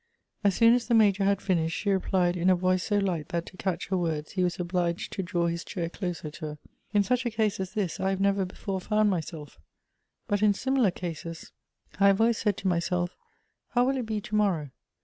As soon as the Major had finished, she replied, in a voice so light that to catch her words he was obliged to draw his chair closer to her :" In such a case as this I have never before found myself; but in similar cases I 284 Goethe's have always said to myself how will it be to morrow